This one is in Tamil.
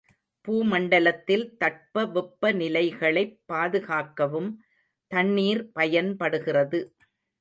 பூமண்டலத்தில் தட்பவெப்ப நிலைகளைப் பாதுகாக்கவும் தண்ணீர் பயன்படுகிறது.